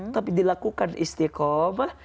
tapi dilakukan istiqomah